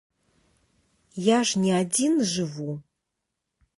Я ж не адзін жыву.